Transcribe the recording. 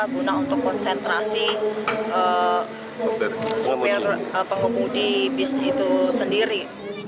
guna untuk konsentrasi penggembudi bus itu sendiri